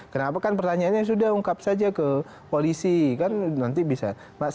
kenapa kan pertanyaannya sudah ungkap saja ke polisi kan nanti bisa